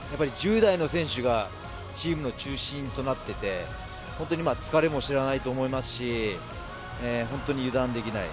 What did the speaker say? １０代の選手がチームの中心となっていて本当に疲れも知らないと思いますし本当に油断できない。